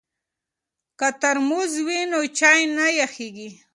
که ترموز وي نو چای نه یخیږي.